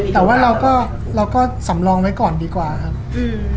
แต่ว่าเราก็สำรองไว้ก่อนดีกว่าค่ะ